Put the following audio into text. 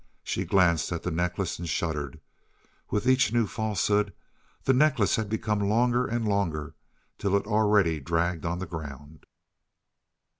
She glanced at the necklace and shuddered. With each new falsehood, the necklace had become longer and longer, till it already dragged on the ground.